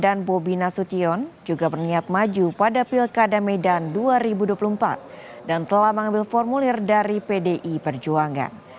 bobi nasution juga berniat maju pada pilkada medan dua ribu dua puluh empat dan telah mengambil formulir dari pdi perjuangan